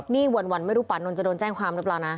นี่วันไม่รู้ป่านนท์จะโดนแจ้งความหรือเปล่านะ